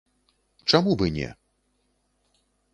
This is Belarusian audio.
Чаму б і не.